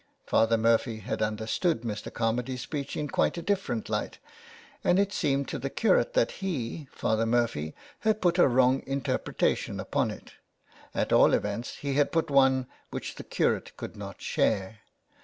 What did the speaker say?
Father Murphy had understood Mr. Carmady's speech in quite a different light, and it seemed to the 381 THE WILD GOOSE. curate that he, Father Murphy, had put a wrong inter pretation upon it ; at all events he had put one which the curate could not share.